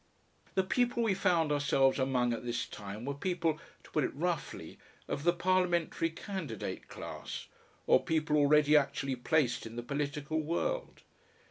The people we found ourselves among at this time were people, to put it roughly, of the Parliamentary candidate class, or people already actually placed in the political world.